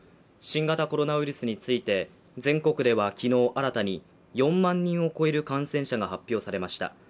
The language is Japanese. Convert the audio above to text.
新型コロナウイルスについて、全国では昨日新たに、４万人を超える感染者が発表されました。